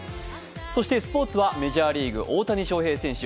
そしてスポーツはメジャーリーグ、大谷翔平選手。